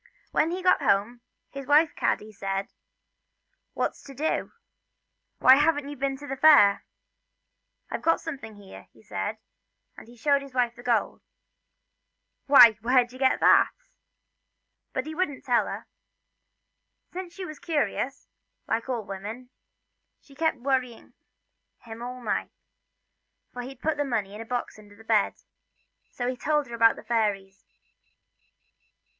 When he got home, his wife Kaddy said :" What 's to do, why haven't you been to the fair ?"" I've got something here," he said, and showed his wife the gold. " Why, where did you get that ?" But he wouldn't tell her. Since she was curious, like all women, she kept worrying him all night for he'd put the money in a box under the bed so he told her about the fairies.